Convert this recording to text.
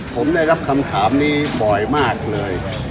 ผมได้รับคำถามนี้บ่อยมากเลย